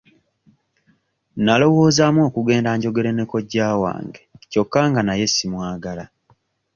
Nalowoozaamu okugenda njogere ne kojja wange kyokka nga naye simwagala.